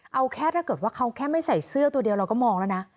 เอาแค่ถ้าเกิดว่าเขาแค่ไม่ใส่เสื้อตัวเดียวเราก็มองแล้วนะ